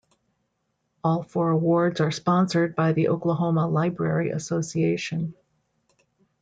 All four awards are sponsored by the Oklahoma Library Association.